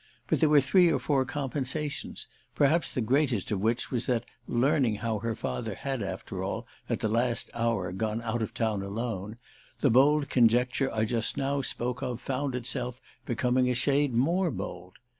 But there were three or four compensations; perhaps the greatest of which was that, learning how her father had after all, at the last hour, gone out of town alone, the bold conjecture I just now spoke of found itself becoming a shade more bold.